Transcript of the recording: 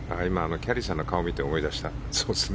キャディーさんの顔を見て思い出した。